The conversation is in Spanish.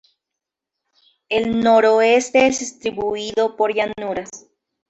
El noroeste es distribuido por llanuras.